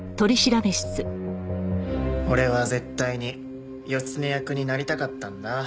俺は絶対に義経役になりたかったんだ。